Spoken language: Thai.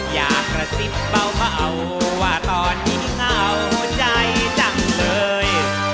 อย่ากราสิกเบาเบาว่าตอนนี้เหงาใจจังเลย